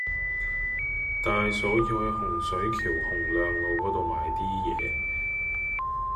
大嫂要去洪水橋洪亮路嗰度買啲嘢